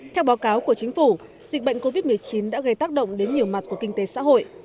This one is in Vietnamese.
theo báo cáo của chính phủ dịch bệnh covid một mươi chín đã gây tác động đến nhiều mặt của kinh tế xã hội